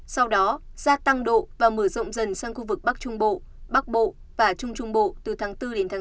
sau đó gia tăng độ và mở rộng dần sang khu vực bắc trung bộ bắc bộ và trung trung bộ từ tháng bốn sáu